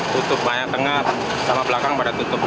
tutup banyak tengah sama belakang pada tutup